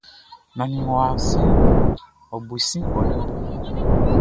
Nannin ngʼɔ́ wá kɔ́ʼn, ɔ bo i sin kɔlɛ bo.